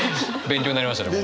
勉強になりましたね。